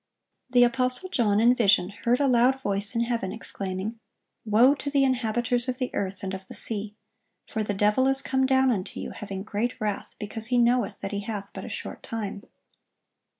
The apostle John in vision heard a loud voice in heaven exclaiming, "Woe to the inhabiters of the earth and of the sea! for the devil is come down unto you, having great wrath, because he knoweth that he hath but a short time."